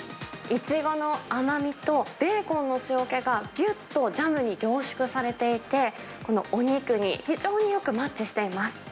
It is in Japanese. イチゴの甘みと、ベーコンの塩気がぎゅっとジャムに凝縮されていて、このお肉に非常によくマッチしています。